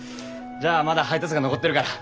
じゃあまだ配達が残ってるから。